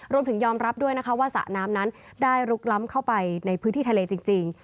รวมถึงยอมรับด้วยนะคะว่าสระน้ำนั้นได้ลุกล้ำเข้าไปในพื้นที่ทะเลจริง